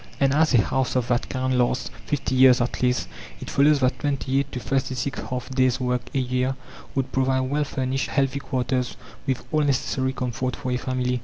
And as a house of that kind lasts 50 years at least, it follows that 28 to 36 half days' work a year would provide well furnished, healthy quarters, with all necessary comfort for a family.